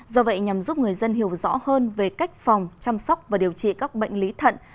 do vậy nhằm giúp người dân hiểu rõ hơn về cách phòng chăm sóc và điều trị các bệnh lý thận